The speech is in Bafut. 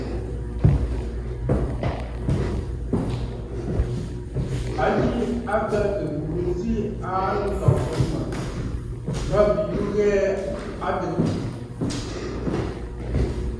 A yi a kəʼə̀tə̀ m̀burə nzi a nlɔ̀gə mə̀ mə bìʼiyu ghɛɛ a adɨgə.